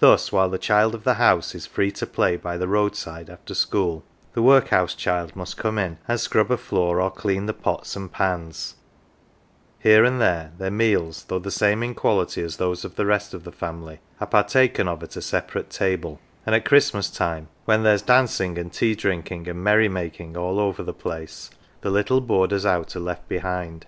Thus, while the child of the house is free to play by the roadside after school, the workhouse child must come in, and scrub a floor or clean the pots and pans : here and there their meals, though the same 193 N LITTLE PAUPERS in quality as those of the rest of the family, are partaken of at a separate table, and at Christmas time, when there is dancing and tea drinking and merry making all over the place, the little boarders out are left behind.